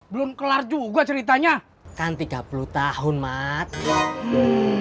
belum kelar juga ceritanya kan tiga puluh tahun mat